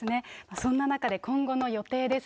そんな中で、今後の予定です